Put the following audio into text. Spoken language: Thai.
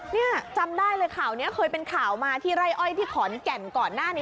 นี่จำได้เลยข่าวนี้เคยเป็นข่าวมาที่ไร่อ้อยที่ขอนแก่นก่อนหน้านี้